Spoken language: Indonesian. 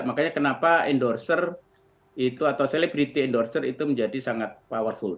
makanya kenapa endorser atau celebriti endorser itu menjadi sangat powerful